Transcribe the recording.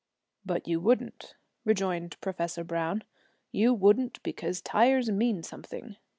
'But you wouldn't,' rejoined Professor Browne, 'you wouldn't, because tires mean something.